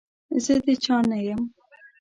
زه د چا نه يم.